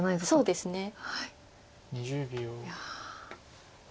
そうですね。